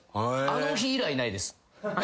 あの日以来ないです。